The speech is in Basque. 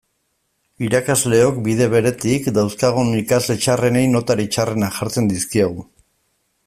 Irakasleok, bide beretik, dauzkagun ikasle txarrenei notarik txarrenak jartzen dizkiegu.